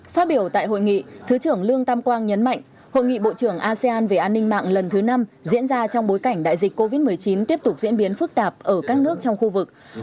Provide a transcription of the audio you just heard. phát biểu tại hội nghị thứ trưởng lương tam quang nhấn mạnh hội nghị bộ trưởng asean về an ninh mạng lần thứ năm diễn ra trong bối cảnh đại dịch covid một mươi chín tiếp tục diễn biến phức tạp ở các nước trong khu vực